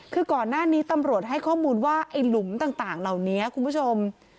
คือก่อนหน้านี้ตำรวจให้ข้อมูลว่าไอ้หลุมต่างเหล่านี้คุณผู้ชม